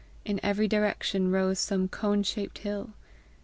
In every direction rose some cone shaped hill.